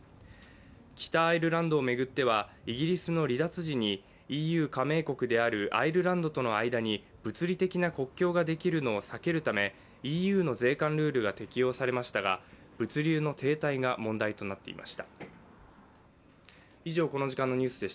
北アイルランドを巡ってはイギリスの離脱時にＥＵ加盟国であるアイルランドとの間に物理的な国境ができるのを避けるためＥＵの税関ルールが適用されましたが物流の停滞が問題となっていました。